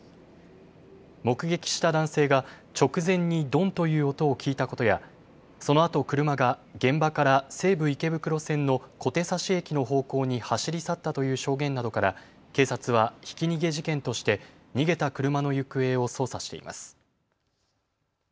目撃した男性が直前にどんという音を聞いたことやそのあと車が現場から西武池袋線の小手指駅の方向に走り去ったという証言などから警察はひき逃げ事件として逃げた車の行方を捜査しています。